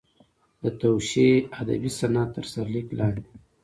د توشیح ادبي صنعت تر سرلیک لاندې.